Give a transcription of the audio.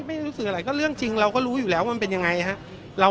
ไม่รู้สึกอะไรก็เรื่องจริงเราก็รู้อยู่แล้วว่ามันเป็นยังไงฮะ